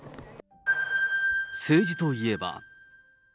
政治といえば。